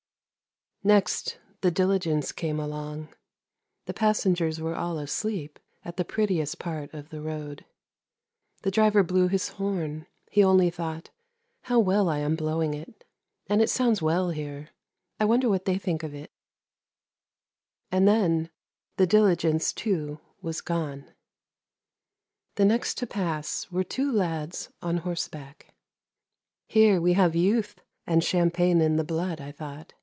Next, the diligence came along. The passengers were all asleep at the prettiest part of the road. The driver blew his horn; he only thought ' how well I am blowing it, and it sounds well here; I wonder what they think of it,' and then the diligence, too, was gone. The next to pass were two lads on horseback. Here we have youth and champagne in the blood, I thought.